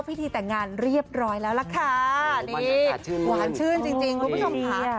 พิธีแต่งงานเรียบร้อยแล้วล่ะค่ะนี่หวานชื่นจริงจริงคุณผู้ชมค่ะ